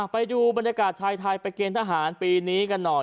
ไปดูบรรยากาศชายไทยไปเกณฑ์ทหารปีนี้กันหน่อย